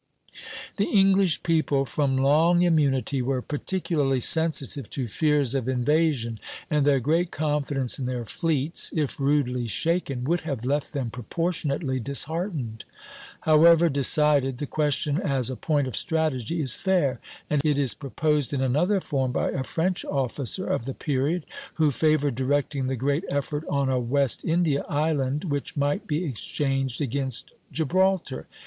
The English people, from long immunity, were particularly sensitive to fears of invasion, and their great confidence in their fleets, if rudely shaken, would have left them proportionately disheartened. However decided, the question as a point of strategy is fair; and it is proposed in another form by a French officer of the period, who favored directing the great effort on a West India island which might be exchanged against Gibraltar.